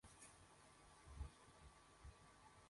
僕はリモコンを取り、テレビのチャンネルを回した